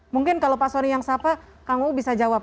mungkin kalau pak soni yang sapa kang uu bisa jawab